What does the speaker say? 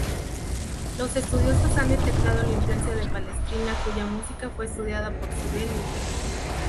Los estudiosos han detectado la influencia de Palestrina, cuya música fue estudiada por Sibelius.